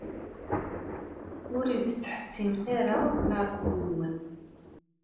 Ur yi-d-ttḥettimet ara leryuy-nwen.